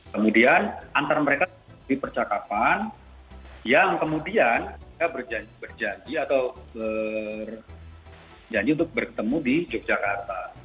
kemudian antara mereka di percakapan yang kemudian berjanji atau berjanji untuk bertemu di yogyakarta